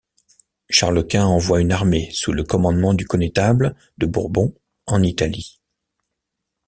Charles Quint envoie une armée sous le commandement du connétable de Bourbon en Italie.